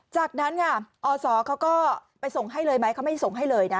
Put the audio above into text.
จากนั้นค่ะอศเขาก็ไปส่งให้เลยไหมเขาไม่ส่งให้เลยนะ